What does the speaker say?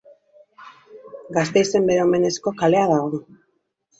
Gasteizen bere omenezko kalea dago.